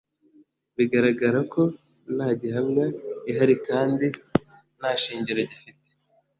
bigaragara ko nta gihamya ihari kandi nta shingiro gifite;